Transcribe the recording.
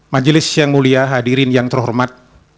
majelis yang mulia hadirin yang terhormat